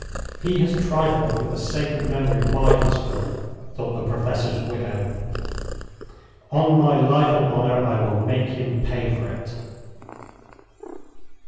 "He has trifled with the sacred memory of my husband," thought the Professor's widow. "On my life and honor, I will make him pay for it."